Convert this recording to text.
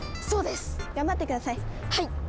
そうです！頑張って下さい。